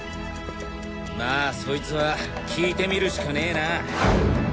まあそいつは聞いてみるしかねえなぁ。